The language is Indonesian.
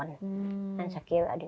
nggak bisa kiri